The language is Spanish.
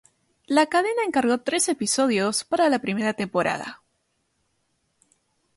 La cadena encargó trece episodios para la primera temporada.